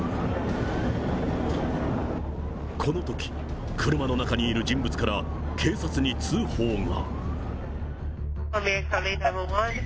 このとき、車の中にいる人物から、警察に通報が。